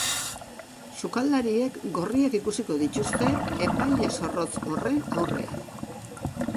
Sukaldariek gorriak ikusiko dituzte epaile zorrotz horren aurrean.